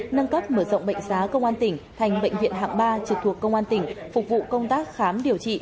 nâng cấp mở rộng bệnh giá công an tỉnh thành bệnh viện hạng ba trực thuộc công an tỉnh phục vụ công tác khám điều trị